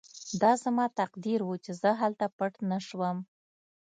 دا زما تقدیر و چې زه هلته پټ نه شوم